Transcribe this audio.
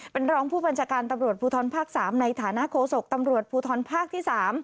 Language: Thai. เป็นรองผู้บัญชาการตำรวจภูทรภาค๓ในฐานะโฆษกตำรวจภูทรภาคที่๓